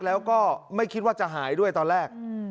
แล้วก็ไม่คิดว่าจะหายด้วยตอนแรก